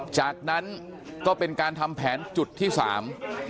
จากนั้นก็เป็นการทำแผนจุดที่สาม